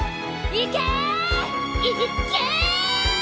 いけ！